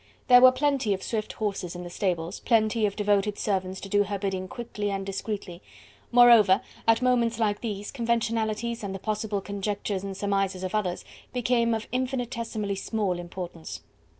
There were plenty of swift horses in the stables, plenty of devoted servants to do her bidding quickly and discreetly: moreover, at moments like these, conventionalities and the possible conjectures and surmises of others became of infinitesimally small importance.